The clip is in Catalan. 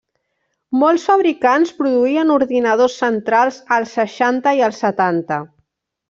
Molts fabricants produïen ordinadors centrals als seixanta i als setanta.